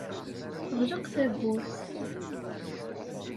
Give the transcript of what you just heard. Ɣleq tawwurt.